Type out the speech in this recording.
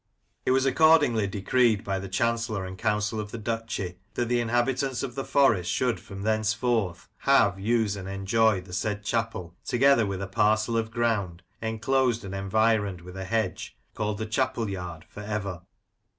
It was accordingly decreed by the Chancellor and Council of the Duchy, that the inhabitants of the Forest should from thenceforth have, use, and enjoy the said chapel, together with a parcel of ground, enclosed and environed with a hedge, called the chapel yard, for ever.